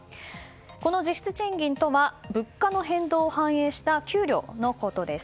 この実質賃金とは物価の変動を反映した給料のことです。